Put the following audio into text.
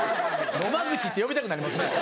「野間口」って呼びたくなりますね。